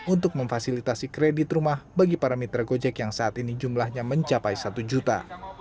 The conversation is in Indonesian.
untuk memfasilitasi kredit rumah bagi para mitra gojek yang saat ini jumlahnya mencapai satu juta